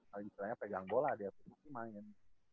lagi lagi pegang bola dia tuh main